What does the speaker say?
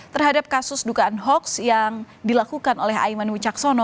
terhadap kasus dugaan hoax yang dilakukan oleh aiman wicaksono